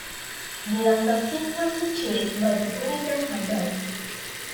They are subsequently chased by the police and hide out.